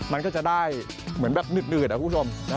มันก็จะได้เหมือนแบบหนืดอะคุณผู้ชม